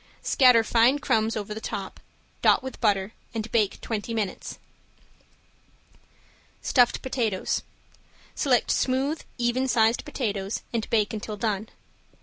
Scatter fine crumbs over the top, dot with butter and bake twenty minutes. ~STUFFED POTATOES~ Select smooth, even sized potatoes and bake until done.